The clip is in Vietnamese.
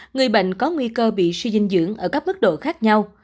người bệnh có nguy cơ bị suy dinh dưỡng ở các mức độ khác nhau